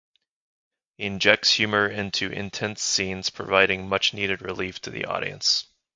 He injects humor into intense scenes, providing much-needed relief to the audience.